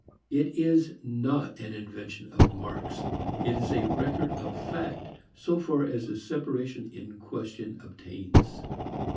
It is not an invention of Marx; it is a record of fact so far as the separation in question obtains.